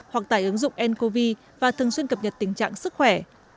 hoặc tải ứng dụng ncov và thường xuyên cập nhật tình trạng sức khỏe